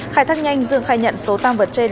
khai thác nhanh dương khai nhận số tăng vật trên